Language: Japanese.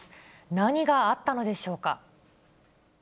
何があったのでしょうか。